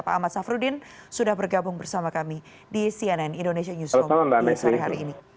pak ahmad safruddin sudah bergabung bersama kami di cnn indonesia newsroom di sore hari ini